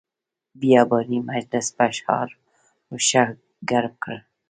بیاباني مجلس په اشعارو ښه ګرم کړ.